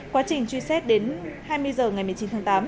quá trình truy xét đến hai mươi h ngày một mươi chín tháng tám